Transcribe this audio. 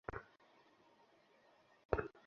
বললাম, আপনি এটায় বসুন।